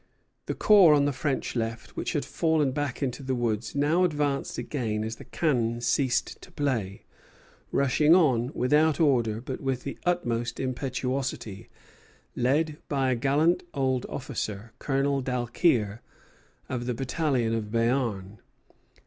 The corps on the French left, which had fallen back into the woods, now advanced again as the cannon ceased to play, rushing on without order but with the utmost impetuosity, led by a gallant old officer, Colonel Dalquier, of the battalion of Béarn.